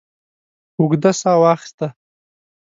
اوږده ساه واخسته.